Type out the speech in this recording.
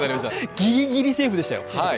ギリギリセーフでしたよ。